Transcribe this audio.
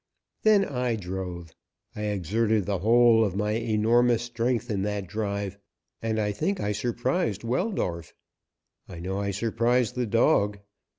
Then I drove. I exerted the whole of my enormous strength in that drive, and I think I surprised Weldorf. I know I surprised the dog.